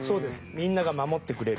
みんなが守ってくれる。